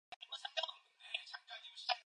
머슴들은 바깥 마당에다가 멍석을 주욱 폈다.